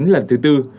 lần thứ tư